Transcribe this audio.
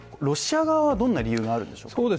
ロシア側はどんな理由があるんでしょうか？